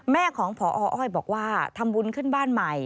แม่ของพออ้อยบอกว่าทำบุญขึ้นบ้านใหม่